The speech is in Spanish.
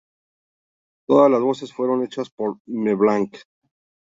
Todas las voces fueron hechas por Mel Blanc.